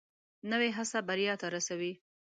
نوې هڅه بریا ته رسوي